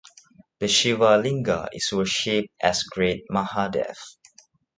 The Shiva linga is worshipped as Great Mahadev.